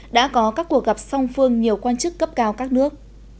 đã có các cuộc gặp song phương nhiều quan chức cấp cao các nước